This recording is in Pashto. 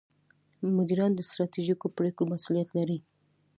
مدیران د ستراتیژیکو پرېکړو مسوولیت لري.